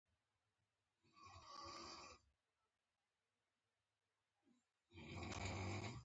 علي خپل مشر ورور ته په مشرانه کې یو موټر ور کړ.